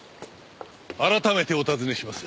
改めてお尋ねします。